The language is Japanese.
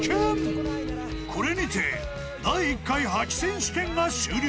［これにて第１回覇気選手権が終了］